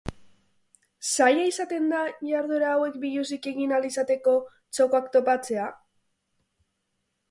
Zaila izaten da iharduera hauek biluzik egin ahal izateko txokoak topatzea?